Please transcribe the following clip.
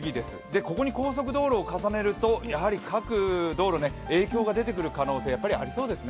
ここに高速道路を重ねると各道路、影響出てくる可能性がありそうですね。